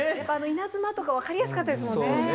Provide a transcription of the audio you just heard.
稲妻とか分かりやすかったですもんね。